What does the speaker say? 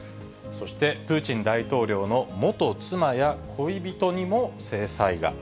そしてプーチン大統領の元妻や恋人にも制裁が。